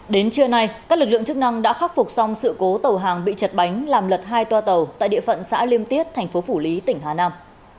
đến trưa nay các lực lượng chức năng đã khắc phục xong sự cố tàu hàng bị chật bánh làm lật hai toa tàu tại địa phận xã liêm tiết thành phố phủ lý tỉnh hà nam